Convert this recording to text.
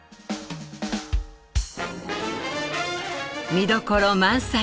見どころ満載。